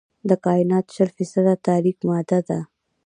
د کائنات شل فیصده تاریک ماده ده.